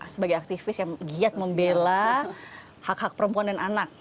sebagai aktivis yang giat membela hak hak perempuan dan anak